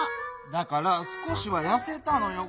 だから「すこしはやせた」のよ。